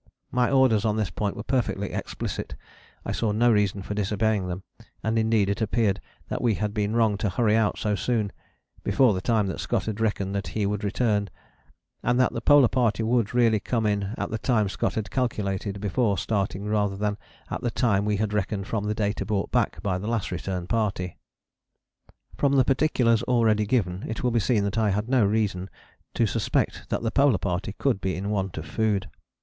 My orders on this point were perfectly explicit; I saw no reason for disobeying them, and indeed it appeared that we had been wrong to hurry out so soon, before the time that Scott had reckoned that he would return, and that the Polar Party would really come in at the time Scott had calculated before starting rather than at the time we had reckoned from the data brought back by the Last Return Party. From the particulars already given it will be seen that I had no reason to suspect that the Polar Party could be in want of food.